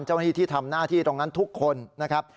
เจ้าหน้าที่ที่ทำหน้าที่ตรงนั้นทุกคนนะครับ